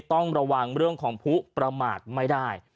ต้องระวังเรื่องของผู้ประมาทไม่ได้